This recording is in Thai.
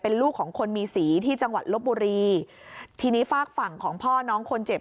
ลูกของคนมีสีที่จังหวัดลบบุรีทีนี้ฝากฝั่งของพ่อน้องคนเจ็บ